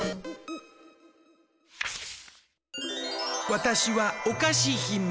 「わたしはおかしひめ。